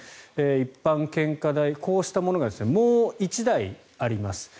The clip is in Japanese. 一般献花台、こうしたものがもう１台あります。